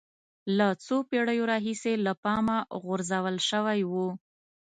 له څو پېړیو راهیسې له پامه غورځول شوی و